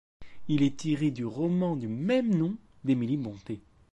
Il est tiré du roman du même nom d'Emily Brontë.